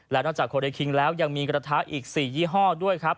และนอกจากโคเรคิงแล้วยังมีกระทะอีก๔ยี่ห้อด้วยครับ